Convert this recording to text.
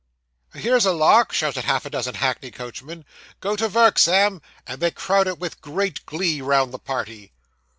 'Here's a lark!' shouted half a dozen hackney coachmen. 'Go to vork, Sam! and they crowded with great glee round the party.